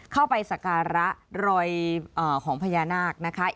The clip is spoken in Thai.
เข้าไปสการะรอยของพญานาคนะคะ